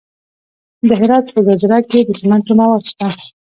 د هرات په ګذره کې د سمنټو مواد شته.